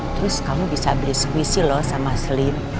terus kamu bisa beli squishy loh sama slime